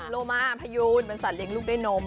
โลมาพยูนมันสัตว์เล็งลูกได้นม